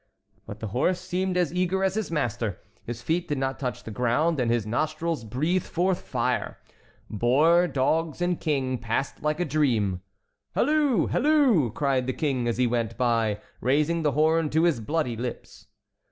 But the horse seemed as eager as his master. His feet did not touch the ground, and his nostrils breathed forth fire. Boar, dogs, and King passed like a dream. "Halloo! halloo!" cried the King as he went by, raising the horn to his bloody lips.